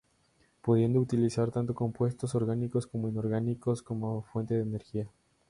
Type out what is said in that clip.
Pudiendo utilizar tanto compuestos orgánicos como inorgánicos como fuente de energía.